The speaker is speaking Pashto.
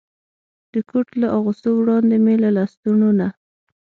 د کوټ له اغوستو وړاندې مې له لستوڼو نه.